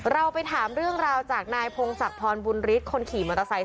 เราไปถามเรื่องราวจากนายพงศักดิ์พรบุญฤทธิ์คนขี่มอเตอร์ไซค